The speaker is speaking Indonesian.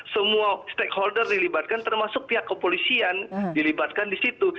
semua stakeholder dilibatkan termasuk pihak kepolisian dilibatkan di situ